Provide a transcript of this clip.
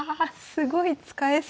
すごい使えそうな。